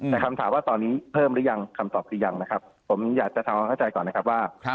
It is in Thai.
แต่คำถามว่าตอนนี้เพิ่มหรือยังคำตอบคือยังนะครับผมอยากจะทำความเข้าใจก่อนนะครับว่า